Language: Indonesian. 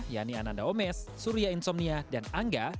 yani ananda omes surya insomnia dan angga